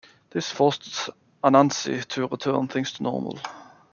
This forced Anansi to return things to normal.